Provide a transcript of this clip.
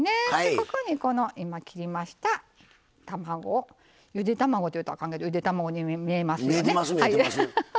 ここに切りましたゆで卵というとだめですけどゆで卵に見えてますけどね。